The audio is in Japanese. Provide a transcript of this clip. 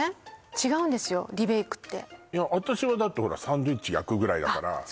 違うんですよリベイクっていや私はだってほらサンドイッチ焼くぐらいだからあっ